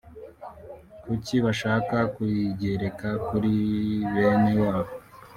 kuki bashaka kuyigereka kuri bene wabo